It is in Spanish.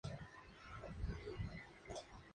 Teatro Abierto tuvo que mudarse al Tabarís.